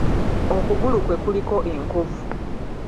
Okugulu kwe kuliko enkovu.